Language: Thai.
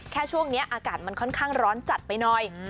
ช่วงนี้อากาศมันค่อนข้างร้อนจัดไปหน่อย